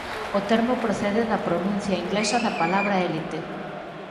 O termo procede da pronuncia inglesa da palabra "elite".